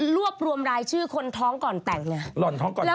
รวบรวมรายชื่อคนท้องก่อนแต่งเนี่ย